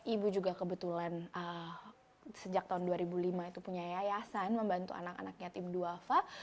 ibu juga kebetulan sejak tahun dua ribu lima itu punya yayasan membantu anak anak yatim duafa